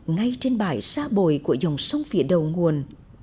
ngay trên bãi xa bồi của dòng sông phía đầu nguồn